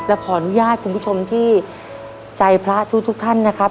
และขออนุญาตคุณผู้ชมที่ใจพระทุกท่านนะครับ